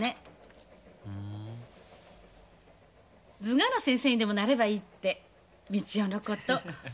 図画の先生にでもなればいいって道雄のこと。